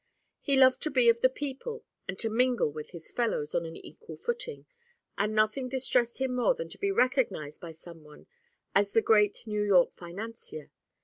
He loved to be of the people and to mingle with his fellows on an equal footing, and nothing distressed him more than to be recognized by some one as the great New York financier.